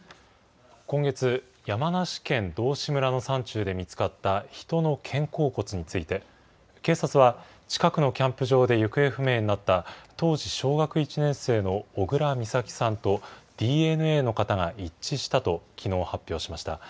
今月、山梨県道志村の山中で見つかった人の肩甲骨について、警察は、近くのキャンプ場で行方不明になった、当時小学１年生の小倉美咲さんとＤＮＡの型が一致したと、きのう、発表しました。